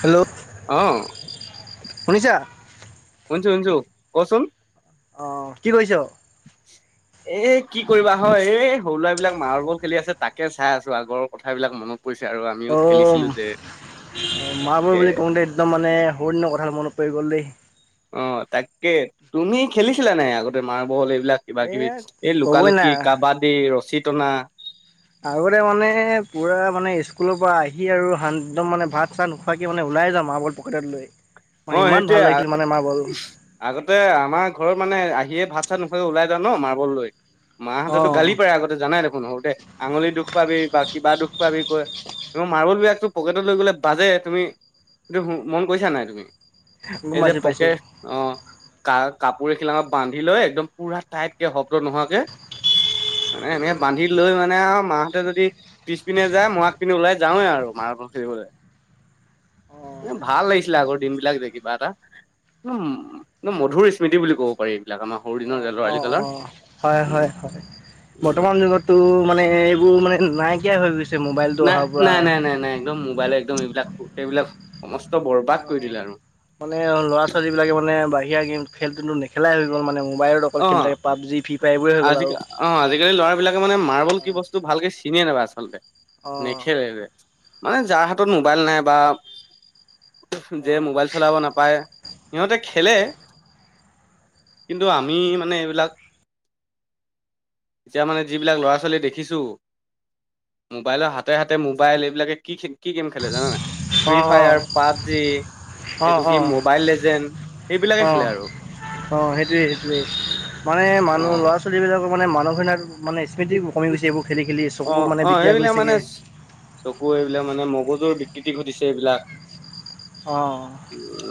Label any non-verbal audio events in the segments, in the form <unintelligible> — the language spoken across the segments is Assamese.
হেল্ল'। অহ। শুনিছা। শুনিছোঁ শুনিছোঁ কচোন। অ কি কৰিছ? উ। এ কি কৰিবা হয় এই সৰু ল'ৰা বিলাক মাৰ্বল খেলি আছি তাকে চাই আছো আগৰ কথা বিলাক মনত পৰিছে আৰু অ আমিও খেলিছিলো যে মাৰ্বল এ বুলি কওঁতে একদম মানে বহুত দিনৰ কথালে মনত পৰি গ'ল দেই। অ তাকে তুমি খেলিছিলা নাই আগতে মাৰ্বল এই বিলাক কিবা কিবি এয়া এই লুকা ক'বই না লুকি, কাবাডী, ৰছী টনা। আগতে মানে পুৰা মানে স্কুলৰ পৰা আহি আৰু শান একদম মানে ভাত চাত নোখোৱাকে মানে ওলাই যাও মাৰ্বল পকেটত লৈ। মানে অ ইমান ভাল সেইটোয়ে লাগিছিল মানে মাৰ্বল আগতে আমাৰ ঘৰত মানে আহিয়ে ভাত চাত নোখোৱাকে ওলাই যাও ন মাৰ্বল লৈ মাহঁতেতো অঁ গালি পাৰে আগতে যানাই দেখোন সৰুতে আঙুলি দুখ পাবি বাকী বা কিবা দুখ পাবি কয়। আমাৰ মাৰ্বলবিলাকটো পকেটত লৈ গ'লে বাজে। তুমি সেটো মন কৰিছা নাই তুমি? গম এই যে পাইছোঁ পকে পাইছোঁ অহ কাৰ কাপোৰ এখিলাত বান্ধি লৈ একদম পোৰা টাইট কে হ শব্দ নোহোৱাকে মানে এনেকে বান্ধি লৈ মানে আৰু মাহ তেওঁ যদি পিছ পিনে যায় মই আগপিনে ওলাই যাওঁৱে আৰু মাৰ্বল খেলিবলৈ। অঁ এ ভাল লাগিছিলে আগতে এই কিবা এটা উম মধুৰ স্মৃতি বুলি ক'ব পাৰিম। অহ অহ অহ হয় উম হয় হয়। উম বৰ্তমান যুগতটো মানে এইবোৰ মানে নাইকিয়াই হৈ গৈছে। মোবাইলটো নাই অহাৰ পৰা নাই নাই নাই নাই নাই একদম মোবাইল একদম এইবিলাক এইবিলাক সমস অহ মানে ল'ৰা ছোৱালী বিলাকে মানে বাহিৰা গেম খেলটো নেখেলাই হৈ গ'ল মানে মো অহ আজি আৰু অহ আজিকালি ল'ৰা বিলাকে মানে মাৰ্বল কি বস্তু ভালকে চিনিয়ে নাপায় আচলতে অ নেখেলে মানে যাৰ হাতত মোবাইল নাই বা অ যে মোবাইল চলাব নাপায় সিহঁতে খেলে। কিন্তু আমি মানে এইবিলাক এতিয়া মানে যিবিলাক ল'ৰা ছোৱালী দেখিছো। মোবাইলৰ হাতে হাতে মোবাইল এইবিলাকে কি কি গেম খেলে জানা নাই অ অ ফ্ৰী ফায়াৰ, পাপজি। অ এইটো অ কি মোবাইল লেজেণ্ড সেইবিলাকে খেলে আৰু সেইটোৱেই সেইটোৱেই মানে অ মানুহ ল'ৰা ছোৱালীবিলাকো মানে মানুহখিন মানে স্মৃতি কমি গৈছে এইবোৰ খেলি খেলি চকু অহ মানে অহ বিদ্যা এইবিলাক মানে গৈছেগে চকু এইবিলাক মানে ম মগজুৰ বিকৃতি ঘটিছে এইবিলাক অ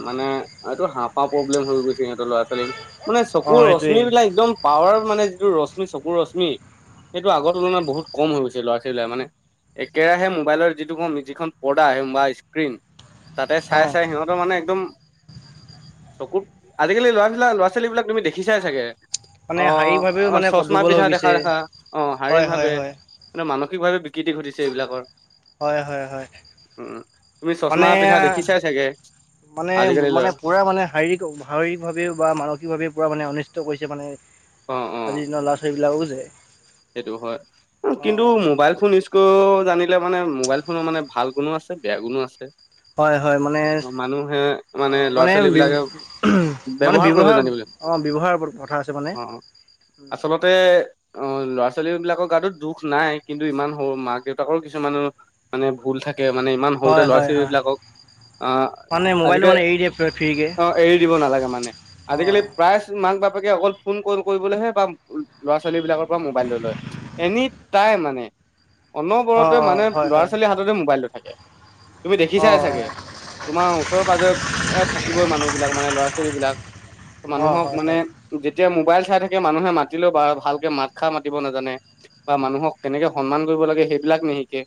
মানে আৰু এইটো হাঁওফাঁওৰ প্ৰব্লেম হৈ গৈছে ইহঁতৰ ল'ৰা ছোৱালী মানে অ চকুৰ সেইটোৱে ৰশ্মি বিলাক একদম পাৱাৰ মানে যিটো ৰশ্মি ৰশ্মি চকুৰ ৰশ্মি সেইটো আগৰ তুলনাত বহুত কম হৈ গৈছে ল'ৰা - ছোৱালীলৈ মানে একেৰাহে মোবাইলৰ যিটোখন যিখন পৰ্দা বা স্ক্ৰীণ তাতে অ চাই চাই সিহঁতৰ মানে একদম চকুৰ আজিকালি লৰাবিলাক ল'ৰা - ছোৱালীবিলাক তুমি দেখিছাই চাগে? মানে অ শাৰীৰিকভাৱেও অ মানে চচমা দুৰ্বল হৈ পিন্ধা দেখা গৈছে দেখা অ শাৰীৰিক হয় হয় ভাৱে হয় মানসিকভাৱে বিকৃতি ঘটিছে এইবিলাকৰ। হয় হয় হয়। উম তুমি চছমা মানে পিন্ধা দেখিছাই চাগে? মানে আজিকালি মানে লৰা পুৰা মানে শাৰীৰিক শাৰীৰিক ভাৱে বা মানসিকভাৱে পুৰা মানে অনিষ ত কৰিছে মানে অ অ আজিৰ দিনৰ ল'ৰা- ছোৱালীবিলাকো যে সেইটো হয় অ কিন্তু মোবাইল ফোন ইউজ ক জানিলে মানে মোবাইল ফোনৰ মানে ভাল গুণো আছে বেয়া গুণো আছে। অ হয় হয় মানে অ মানুহে মানে ল'ৰা - ছোৱালীবিলাকে উহুম মানে ব্যৱহাৰ অঁ ব্যৱহাৰৰ ওপৰত কথা আছে মানে। অ আচলতে অ ল'ৰা - ছোৱালীবিলাকৰ গাতত দুখ নাই কিন্তু ইমান সৰু মাক - দেউতাকৰ কিছুমান মানে ভুল থাক এতিয়া ইমান সৰুতে হয় ল'ৰা - হয় হয় ছোৱালীবিলাকক আ মানে মোবাইলটো আজিকে মানে এৰি দিয়ে ফ্ৰীকে অ এৰি দিব নালাগে মানে অ আজিকালি প্ৰায় মাক - বাপ বাপেক অকল ফোন কৰি কৰিবলেহে বা ল'ৰা- ছোৱালী বিলাকৰ। মোবাইলটো লৈ, এনিটাইম মানে। অ অ অনবৰতে মানে হয় ল'ৰা - হয় ছোৱালীৰ হাততে মোবাইলটো থাকে। তুমি অ দেখিছাই চাগে, তোমাৰ ওচৰ পাজৰে থাকিবই মানুহ বিলাক মানে ল'ৰা - ছোৱালী বিলাক। অ অ মানুহক হয় মানে হয় যেতিয়া মোবাইল চাই থাকে মানুহে মাতিলেও বা ভালকে মাত শিক্ষা মাতিব নাজানে বা মানুহক কেনেকে সন্মান কৰিব লাগে সেইবিলাক নিশিকে।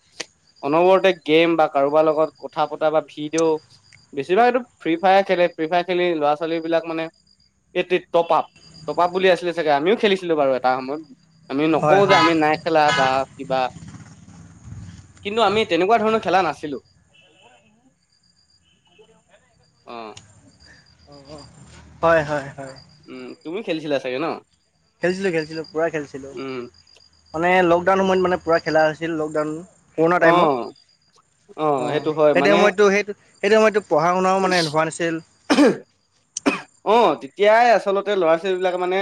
অনবৰতে গেম বা কাৰোবাৰ লগত কথা পতা বা ভিডিঅ' বেছিভাগ এইটো ফ্ৰী ফায়াৰ খেলে। ফ্ৰী ফায়াৰ খেলি ল'ৰা - ছোৱালীবিলাক মানে এইটি টপ আপ, টপ আপ বুলি আছিলে চাগে আমিও খেলিছিলো বাৰু এটা সময়ত। আমি হয় নকও যে হয় আমি নাই খেলা বা কিবা কিন্তু আমি তেনেকুৱা ধৰণৰ খেলা নাছিলোঁ। অহ। অ অ, হয় হয় হয়। উম তুমি খেলিছিলা চাগে ন? খেলছিলো খেলছিলো পুৰা খেলছিলো উম মানে লকডাউন সময়ত মানে পুৰা খেলা হৈছিল লকডাউন কৰোণা অ টাইমত, অঁ সেইটো সময়তো সেইটো সময়ততো পঢ়া শুনাও মানে উচ হোৱা নাছিল অহ অহ অ তে এতিয়াই আচলতে ল'ৰা - ছোৱালীবিলাকে মানে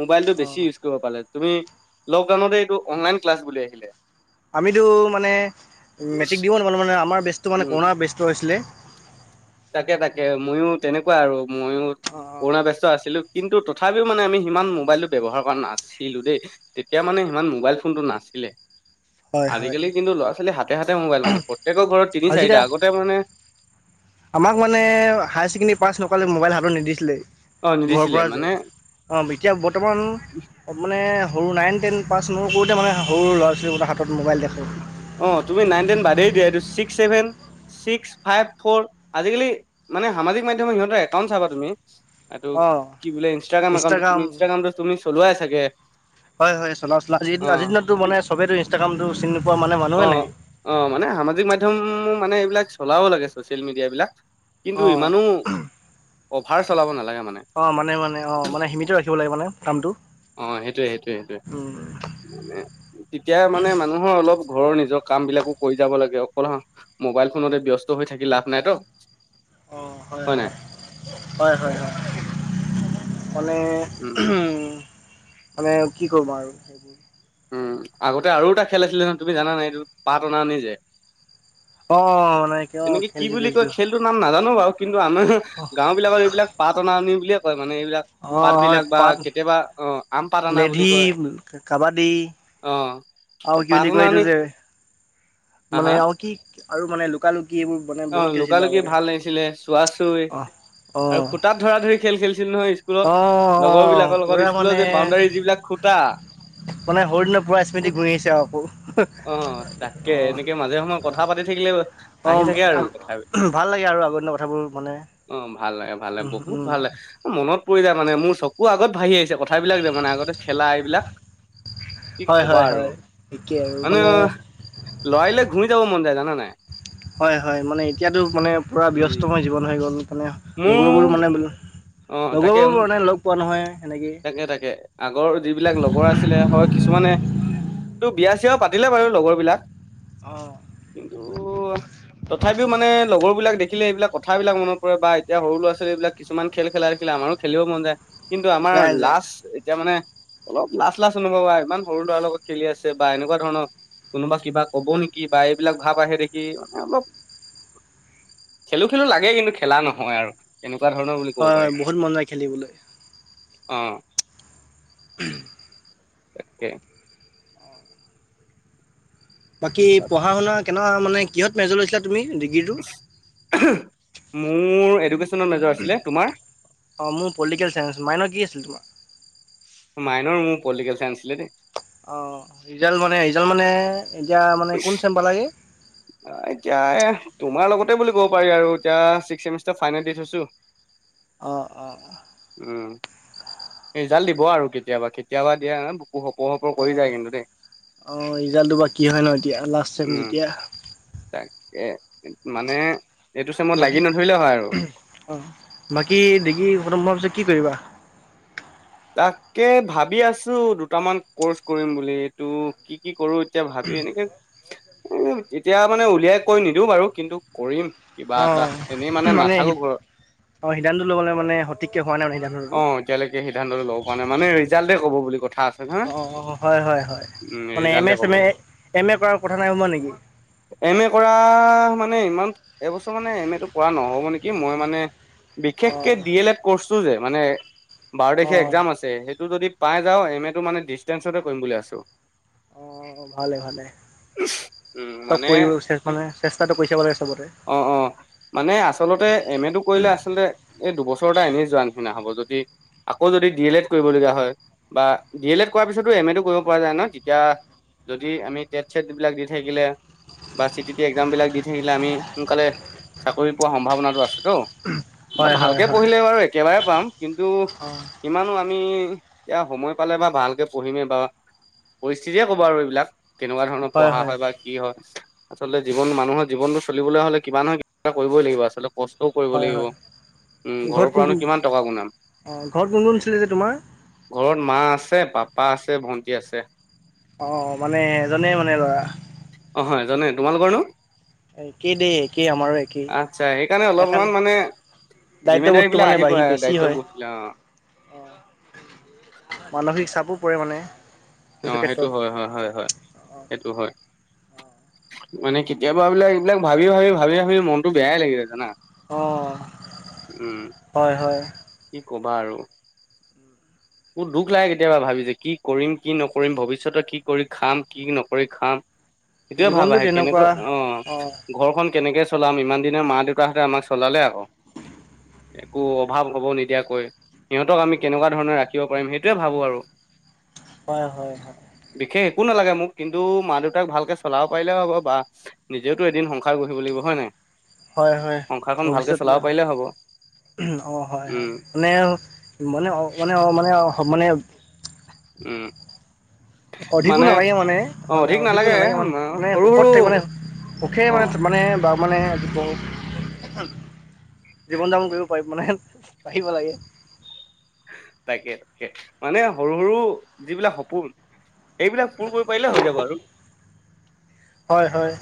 মোবাইলটো অ বেছি ইউজ কৰিব পালে। তুমি লকডাউনতে এইটো অনলাইন ক্লাছ বুলি আহিলে। আমিতো মানে মেট্ৰিক দিব নাপালো মানে আমাৰ বেষ্টো মানে উম কৰোনৰ বেষ্টো হৈছিলে। তাকে তাকে মইও তেনেকুৱা আৰু ময়ও কৰুণা ব্যস্ত আছিলো। কিন্তু তথাপিও মানে আমি সিমান মোবাইলটো ব্যৱহাৰ কৰা নাছিলোঁ দেই তেতিয়া মানে সিমান মোবাইল ফোনটো নাছিলে। হয় হয় আজিকালি কিন্তু ল'ৰা - ছোৱালী হাতে হাতে মোবাইল মানে প্ৰত্যেকৰ ঘৰত তিনি চাৰিটা। আজিকা আগতে মানে আমাক মানে হাই ছেকেণ্ডাৰী পাছ নকৰালৈ মোবাইল হাতত নিদিছিলেই। অ ঘৰৰ নিদিছিলে পৰা যে মানে অ এতিয়া বৰ্তমান মানে সৰু, নাইন টেন পাছ নৌ কৰোঁতে মানে সৰু ল'ৰা- ছোৱালীগোটা হাতত মোবাইল দেখোঁ অ, তুমি নাইন টেন বাদেই দে। এইটো six -seven, six five four আজিকালি মানে, সামাজিক মাধ্যমত সিহঁতে একাউণ্ট চাবা তুমি? এইটো অ কি বোলে? ইনষ্টাগ্ৰাম একাউণ্টোত তুমি, ইনষ্টাগ্ৰামটো তুমি চলোৱাই চাগে? হয় হয় চলা চা আজ অ আজি দিনতো কি মান চবো ইনষ্টাগ্ৰামটো চিনি নোপোৱা মানে মানুহে অ নাই অ মানে সামাজিক মাধ্যমো মানে এইবিলাক চলাব লাগে ছচিয়েল মিডিয়াবিলাক। কিন্তু অ ইমানো অভাৰ চলাব নালাগে মানে অ মানে- মানে অ মানে সিমিত ৰাখিব লাগে মানে কামটো অ সেইটোয়ে -সেইটোয়ে- উম সেইটোয়ে তেতিয়া মানে মানুহৰ অলপ ঘৰৰ নিজৰ কাম বিলাকো কৰি যাব লাগে অকল মোবাইল ফোনতে ব্যস্ত হৈ থাকি লাভ নাই ত। অ হয় হয় হয় হয়। মানে উম মানে কি কৰিম আৰু সেই উম আগতে আৰু এটা খেল আছিলে নহয় তুমি জানা নাই এইটো পাত অনা নি যে অ মানে কিয় এনেকে কি খেলিছো বুলি কয় খেলিছো খেলটোৰ নাম নাজানো বাৰু কিন্তু আমাৰ অ গাঁও বিলাকৰ এইবিলাক পাত অনা অনি বুলিয়ে কয় মানে এইবিলাক অ পাত হয় বিলাক বা পাত কেতিয়াবা অহ লেধি কাবাডী অ আৰু কি পাত বুলি অনা কয় এইটো অনি যে হা মানে আৰু কি আৰু মানে লুকা লুকি এইবোৰ মানে অহ বহুত লুকা খেলিছিলো লুকি আগতে ভাল লাগিছিলে চোৱা চুই অ অ আৰু খুটাত ধৰা ধৰি খেল খেলছিল খেলিছিলো নহয় স্কুলত অ অ লগৰ বিলাকৰ লগত পুৰা স্কুলৰ মানে যে বাউণ্ডাৰী যিবিলাক খুঁটা মানে সৰুদিনৰ পুৰা স্মৃতি উম ঘূৰি আহিছে আৰু আহ তাকে এনেকে মাজে সময় আকৌ কথা পাতি থাকি আহি গৈ অ অ আহি ভাল থাকে আৰু কথাবিলাক লাগে আৰু আগৰদিনৰ কথাবোৰ মানে অহ ভাল লাগে ভাল লাগে উম বহুত উম ভাল লাগে মনত পৰি যায় মানে মোৰ চকু আগত বাঢ়ি আহিছে কথাবিলাক যে মানে আগতে খেলা এইবিলাক কি হয় কবা হয় আৰু হয় একেই আৰু মানে লৰালিলে ঘূৰি যাব মন যায় জানা নাই হয় হয় মানে এতিয়াতো মানে পূৰা উম ব্যস্তময় জীৱন হৈ গ'ল মানে লগৰবোৰো মোৰ মানে অ তাকে লগৰবোৰ মানে লগ পোৱা নহয় সেনেকেই তাকে তাকে আগৰ যিবিলাক লগৰ আছিলে হয় কিছুমানে বিয়া চিয়াও পাতিলে বাৰু লগৰ বিলাক অঁ কিন্তু তথাপিও মানে লগৰবিলাক দেখিলে এইবিলাক কথাবিলাক মনত কৰে বা এতিয়া সৰু ল'ৰা ছোৱালীবিলাক কিছুমান খেল খেলা দেখিলে আমাৰ আৰু খেলিব মন যায় কিন্তু আমাৰ যায় যায় লাষ্ট এতিয়া মানে অলপ লাজ লাজ অনুভব হয় ইমান সৰু ল'ৰাৰ লগত খেলি আছে বা এনেকুৱা ধৰণৰ <unintelligible> কোনোবা কিবা কব নেকি বা এইবিলাক ভাৱ আহে দেখি মানে অলপ খেলো খেলো লাগে কিন্তু খেলা নহয় আৰু তেনেকুৱা কা ধৰণৰ বুলি ক'ব হয় পাৰি। হয় বহুত মন যায় খেলিবলৈ অ। উম। তাকে বাকী পঢ়া শুনা কেনে মানে কিহত মেজৰ লৈছিলা। তুমি ডিগ্ৰীটো মোৰ এডুকেশ্যনত মেজৰ আছিলে তোমাৰ অ মোৰ পলিটিকেল চাইন্স মাইনৰ কি আছিল তোমাৰ। মাইনৰ মোৰ পলিটিকেল চাইন্স আছিলে দেই। অ ৰিজাল্ট মানে ৰিজাল্ট মানে এতিয়া মানে কোন চেম্প পালাগে। এতিয়াই তোমাৰ লগতে বুলি ক'ব পাৰি আৰু এতিয়া ছিক্সচেমিষ্টাৰ ফাইনেল ডিছ থৈছো অঁ অঁ উ ৰিজাল্ট দিব আৰু কেতিয়াবা। কেতিয়াবা দিয়া ন অ অ ৰিজাল্টটো বা কি হয় ন এতিয়া লাষ্ট চেম উম যেতিয়া। তাকে মানে এইটো চেমত লাগি নধৰিলে হয় আৰু। অ বাকী ডিগ্ৰী খটম হোৱাৰ পিছত কি কৰিবা? তাকে ভাবি আছো দুটামান কৰ্চ কৰিম বুলি টো কি কি কৰো এতিয়া ভাবি এনেকে উ এতিয়া মানে উলিয়াই কৈ নিদিওঁ বাৰু কিন্তু কৰিম। কিবা অঁ এটা এনেই মানে নাথাকো ঘৰত। অঁ সিদ্ধান্ত ল'বলৈলে মানে সঠিককৈ হোৱা নাই মানে সিদ্ধান্ত ল'টো অ এতিয়ালৈকে ল'ব নাই মানে ৰিজাল্টে ক'ব বুলি কথা আছে নহয় অঁ হয় হয় হয় <unintelligible> মানে এম এ ৰিজাল্টে ক'ব চেম এ, এম এ কৰাৰ কথা নাই ভবা নেকি <unintelligible> এম এ কৰা মানে ইমান এবছৰ মানে এম এ টো কৰা নহ'ব নেকি মই মানে বিশেষকে অঁ ডি এল এড কছ, যে মানে বাৰ তাৰিখে অঁ এক্সাম আছে। টো যদি পাই যাও এম এ টো মানে ডিচষ্টেন্ঞ্চতে কৰিম বুলি আছো। অ ভালে ভালে। উম তব মানে কৰিব মানে চেষ্টাটো কৰি চাব লাগে চবতে। অ অ মানে আচলতে এম এটো কৰিলে আচলতে এই দুবছৰ এটা এনেই যোৱা নিচিনা হ'ব। যদি আকৌ যদি ডি এল এড কৰিবলগীয়া হয় বা ডি এল এড কৰাৰ পিছতো এম এটো কৰিব পৰা যায় ন তেতিয়া। যদি আমি টেট চছেট বিলাক দি থাকিলে, বা চি টি টি এক্সজামবিলাক দি থাকিলে আমি সোনকালে চাকৰি পোৱাৰ সম্ভাৱনাটো আছে। ত' হয় হয় ভালকে হয় পঢ়িলে বাৰু একেবাৰে পাম, কিন্তু অঁ ইমানো আমি এতিয়া সময় পালে বা ভালকে পঢ়িমেই বা পৰিস্থিতিয়ে কব আৰু এইবিলাক। কেনেকুৱা ধৰণৰ পঢ়া হয় বা কি হয় আচলতে জীৱন মানুহৰ জীৱনটো, চলিবলৈ হ'লে কিমান নহয় কিবা কৰিবই লাগিব আচলটে কষ্ট, কৰিব হয় লাগিব হয় উ ঘৰত ঘৰৰ কোন পৰানো কিমান টকা গুনাম, অঁ ঘৰত কোন কোন আছিলে যে তোমাৰ ঘৰত মা আছে, পাপা আছে, ভন্টি আছে। অঁ মানে এজনে মানে ল'ৰা। অ', হয় এজনে তোমালোকৰনো? একে দেই একেই আমাৰো একেই আচ্ছা সেইকাৰণে সখন। অলপমান মানে দায়িত্ব জিম্মেদাৰী ব্ৰত বিলাক মানে আহি বাঢ়ি পৰে বেছি হয়। দায়িত্ববোধ বিলাক অ', মানসিক চাপো পৰে মানে, অ কিছু সেইটো ক্ষেত্ৰত হয় -হয়, হয় -হয় অঁ সেইটো হয়। মানে কেতিয়াবা এই বিলাক এইবিলাক ভাবি- ভাবি ভাবি -ভাবি মনতো বেয়াই লাগি যায় জানা। অ উম। হয় হয়। কি ক'বা আৰু, মোৰ দুখ লাগে কেতিয়াবা ভাবি যে কি কৰিম কি নকৰিম ভৱিষ্যতে কি কৰি খাম, কি নকৰি খাম। সেইটোয়ে ভাল জীৱনটো আহে তেনেকুৱা কেনেকৈ অ অঁ ঘৰখন কেনেকে, চলাম ইমান দিনানৰ মা দেউতাহঁতে আমাক চলালে আকৌ, একো অভাৱ হ'ব নিদিয়াকৈ সিহঁতক আমি কেনেকুৱা ধৰণে ৰাখিব পাৰিম, সেইটোৱে ভাবোঁ আৰু হয় হয় হয়। বিশেষ একো নালাগে মোক কিন্তু মা দেউতাক ভালকৈ চলাব পাৰিলেও হ'ব বা নিজেওতো এদিন সংসাৰ গঢ়িব লাগিব হয় নাই। হয় হয় সংসাৰখন ভালকে চলাব ভৱিষ্যতলৈ, পাৰিলে হ'ব অ হয় হয় উম মানে মানে অ মানে অ মানে, মানে অহ মানে উম অধিকো নালাগে মানে অ মানে অধিক অধিকো নালাগে মানে মানে সৰু সুখত সৰু থাকিব মানে, পখে অ মানে মানে মানে আহ। জীৱন যাপন কৰিব পাৰি মানে পাৰিব লাগে। তাকে তাকে মানে সৰু সৰু যিবিলাক সপোন, এইবিলাক পূৰ কৰিব পাৰিলে হৈ যাব, আৰু হয় হয়।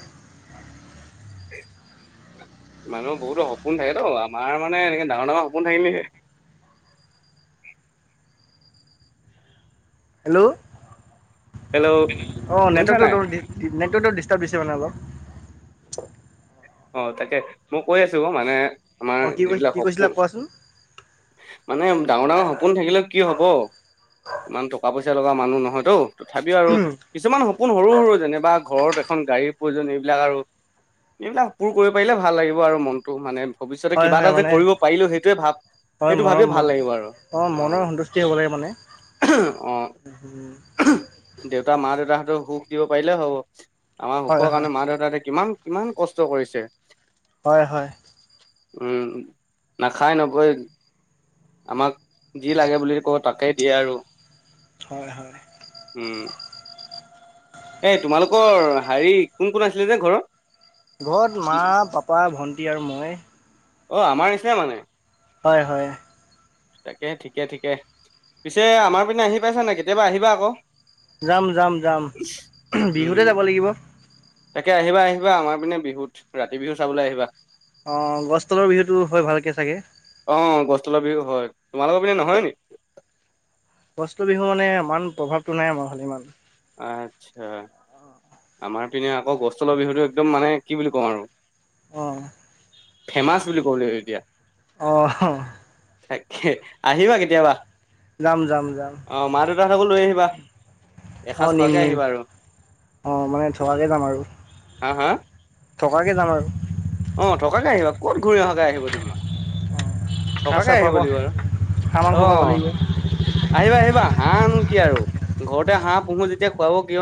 <unintelligible> মানুহৰ বহুতো সপোন থাকে তো আমাৰ মানে এনেকে ডাঙৰ ডাঙৰ সপোন থাকিলেহে। <unintelligible> হেল্ল' অ হেল্ল' শুনিছা নাই? নেটৱৰ্কতটো নেটৱৰ্কটো ডিষ্টাৰ্ব দিছে মানে অলপ, <unintelligible> অ তাকে মই কৈ আছো মানে আমাৰ অঁ কি যিবিলাক কি কৈছিলা সপোন, কোৱাচোন মানে ডাঙৰ ডাঙৰ সপোন থাকিলেও কি হব ইমান টকা পইচা লগা মানুহ নহয় তও তথাপিও আৰু কিছুমান সপোন সৰু সৰু যেনিবা ঘৰত এখন গাড়ীৰ প্ৰয়োজন। এইবিলাক আৰু এইবিলাক পুৰ কৰিব পাৰিলে ভাল লাগিব আৰু মনটো মানে, ভৱিষ্যতে হয় কিবা হয় এটা যে মানে কৰিব পাৰিলো সেইটোৱে ভাব হয় সেইটো ভাবিয়ে ভাল লাগিব আৰু মনৰ অ মনৰ সন্তুষ্টি হ'ব লাগে মানে হম দো মা দেউতাহঁতেৰ সুখ দিব পাৰিলে হব আমাৰ হয় সুখৰ হয় কাৰণে মা দেউতাহঁতে কিমান- কিমান কষ্ট কৰিছে। হয় হয় নাখাই নবৈ আমাক যি লাগে বুলি ক'ব তাকেই দিয়ে আৰু হয় হয় এ তোমালোকৰ হেৰি কোন কোন আছিলে যে ঘৰৰ ঘৰত মা পাপা ভণ্টি আৰু মই অ আমাৰ নিচিনা মানে হয় হয় তাকে ঠিকে ঠিকে পিছে আমাৰ পিনে আহি পাইছা নে কেতিয়াবা আহিবা আকৌ যাম যাম যাম উম বিহুতে যাব লাগিব তাকে আহিবা আহিবা আমাৰ পিনে বিহুত ৰাতি বিহু চাবলৈ আহিবা অঁ গছ তলৰ বিহুটো হয় ভালকে চাগে অ গছ তলৰ বিহু হয় তোমালোকৰ পনে নহয় নেকি গছ তলৰ বিহু মানে ইমান প্ৰভাৱটো নাই আমাৰফালে ইমান আচ্ছা আমাৰ পিনে আকৌ গছল তলৰ বিহুটো একদম মানে কি বুলি ক'ম আৰু অ ফেমাচ বুলি কব লাগিব এতিয়া অ আহিবা কেতিয়াবা যাম যাম যাম অ মা দেউতাহতকো লৈ আহিবা অ খজ নিম খোৱাকৈ নিম আহিবা আৰু অ মানে থকাকে যাম আৰু হা হা থকাকে যাম আৰু অ থকাকে আহিবা কত ঘূৰি অহাকৈ আহিব তুমিমই খাজ থকাকে চাহ আহিব খুৱাব লাগি বাৰু হাঁহ মাংস অ খাব লাগিব আহিবা -আহিবা হাঁহনো কি আৰু ঘৰতে হাঁহ পুহো যেতিয়া খুৱাব কিয়